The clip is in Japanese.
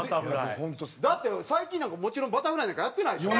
だって最近なんかもちろんバタフライなんかやってないでしょ？